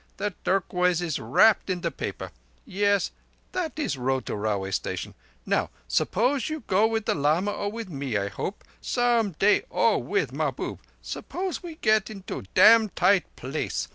The turquoise is wrapped in the paper ... Yes, that is road to railway station ... Now suppose you go with the lama, or with me, I hope, some day, or with Mahbub. Suppose we get into a dam' tight place.